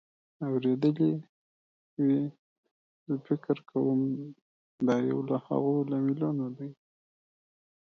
اورېدلې وې. زه فکر کوم دا یو له هغو لاملونو دی